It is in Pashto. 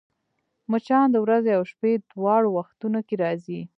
مچان د ورځي او شپې دواړو وختونو کې راځي